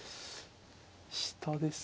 下ですか。